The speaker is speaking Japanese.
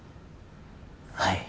はい。